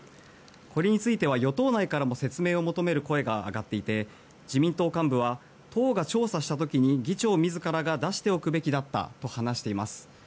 これについては与党内からも説明を求める声が上がっていて自民党幹部は党が調査した時に議長自らが出しておくべきだったと話しています。